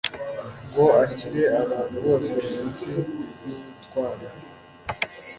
ngo ashyire abantu bose munsi y’ubutware